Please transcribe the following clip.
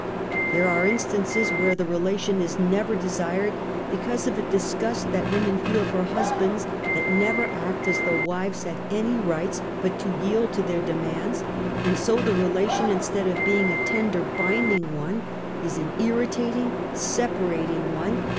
There are instances where the relation is never desired, because 'Of a disgust that women feel for husbands that never ract as though wives had any rights but to yield to /their demands, and so the relation instead of being l:a tender binding one, is an irritating, separating [one.